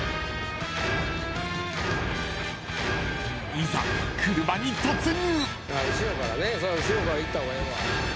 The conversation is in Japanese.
［いざ車に突入］